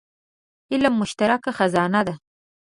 علم مشترکه خزانه ده.